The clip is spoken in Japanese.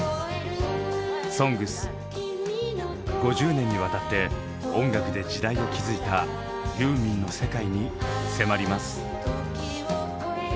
「ＳＯＮＧＳ」５０年にわたって音楽で時代を築いたユーミンの世界に迫ります。